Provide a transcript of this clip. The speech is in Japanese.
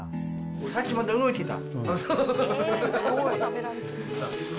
さっきまで動いてた。